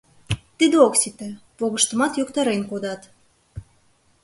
Тиде ок сите — погыштымат йоктарен кодат.